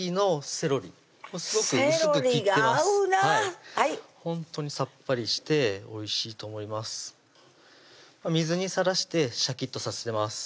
セロリが合うなぁほんとにさっぱりしておいしいと思います水にさらしてシャキッとさせてます